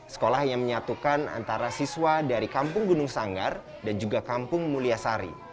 sekolah yang menyatukan antara siswa dari kampung gunung sanggar dan juga kampung mulyasari